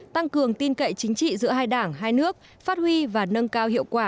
tăng cường tin cậy chính trị giữa hai đảng hai nước phát huy và nâng cao hiệu quả